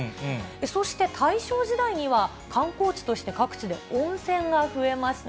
そして、大正時代には観光地として各地で温泉が増えました。